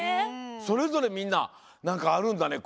それぞれみんななんかあるんだね